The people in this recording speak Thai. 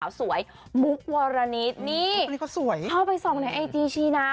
นึกว่าสวยมุกวรณิชย์นี้เข้าไปส่องในไอจีชี้นะ